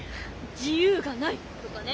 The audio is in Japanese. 自由がない！とかね。